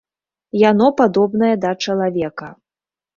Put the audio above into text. Яно падобнае да чалавека.